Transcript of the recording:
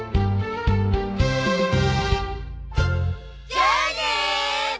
じゃあね！